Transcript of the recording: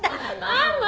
ママ！